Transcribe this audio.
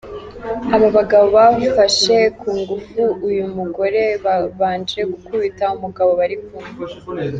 Aba bagabo bafashe ku ngufu uyu mugore babanje gukubita umugabo bari kumwe.